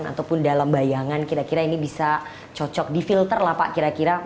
ataupun dalam bayangan kira kira ini bisa cocok di filter lah pak kira kira